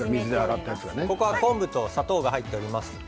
ここは昆布と砂糖が入っております。